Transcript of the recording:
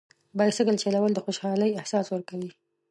بایسکل چلول د خوشحالۍ احساس ورکوي.